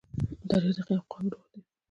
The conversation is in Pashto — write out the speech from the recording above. تاریخ د یوه قوم روح دی.